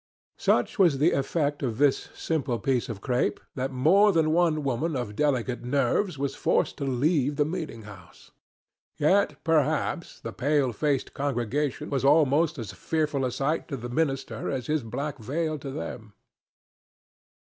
Such was the effect of this simple piece of crape that more than one woman of delicate nerves was forced to leave the meeting house. Yet perhaps the pale faced congregation was almost as fearful a sight to the minister as his black veil to them.